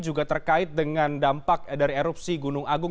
juga terkait dengan dampak dari erupsi gunung agung